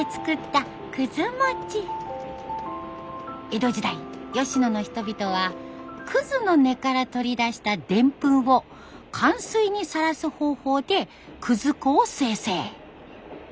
江戸時代吉野の人々は葛の根から取り出したでんぷんを寒水にさらす方法で葛粉を精製。